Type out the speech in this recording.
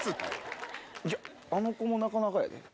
あの子もなかなかやで。